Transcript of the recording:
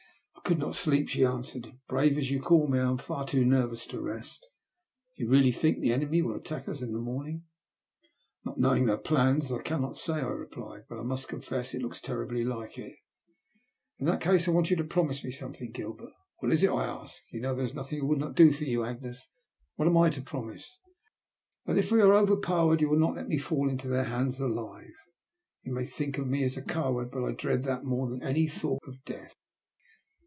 "I could not sleep," she answered. " Brave as you call me, I am far too nervous to rest. Do you really think the enemy will attack us in the morning ?"" Not knowing their plans, I cannot say," I replied, " but I must confess it looks terribly like it." "In that case I want you to promise me something, Gilbert." "What is it?" I asked. "You know there is nothing I would not do for you, Agnes. What am I to promise?" " That if we are overpowered you will not let me fall into their hands alive. You may think me a coward, but I dread that more than any thought ol death."